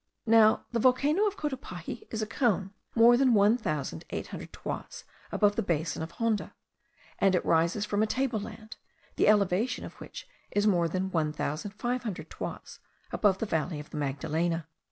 Now the volcano of Cotopaxi is a cone, more than one thousand eight hundred toises above the basin of Honda, and it rises from a table land, the elevation of which is more than one thousand five hundred toises above the valley of the Magdalena.